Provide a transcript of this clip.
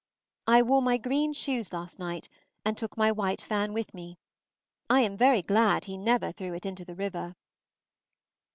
I wore my green shoes last night, and took my white fan with me; I am very glad he never threw it into the river.